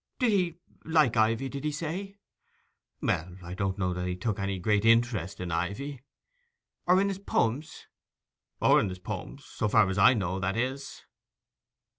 'Did he—like Ivy, did he say?' 'Well, I don't know that he took any great interest in Ivy.' 'Or in his poems?' 'Or in his poems—so far as I know, that is.